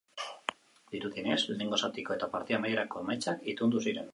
Dirudienez, lehenengo zatiko eta partida amaierako emaitzak itundu ziren.